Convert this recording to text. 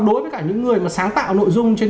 đối với cả những người mà sáng tạo nội dung trên